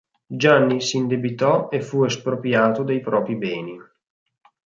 Gianni s’indebitò e fu espropriato dei propri beni.